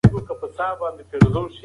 آیا سعید په مکتب کې مېله وکړه؟